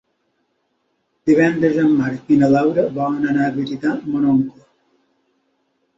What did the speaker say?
Divendres en Marc i na Laura volen anar a visitar mon oncle.